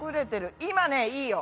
今ねいいよ。